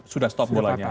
sudah stop bolanya